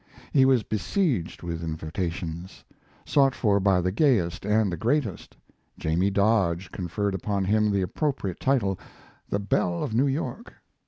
He was besieged with invitations, sought for by the gayest and the greatest; "Jamie" Dodge conferred upon him the appropriate title: of "The Belle of New York."